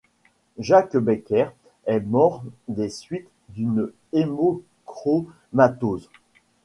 Jacques Becker est mort des suites d'une hémochromatose.